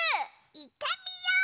いってみよう！